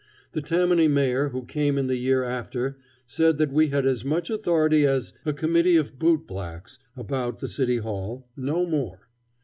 The Tammany Mayor who came in the year after said that we had as much authority as "a committee of bootblacks" about the City Hall, no more.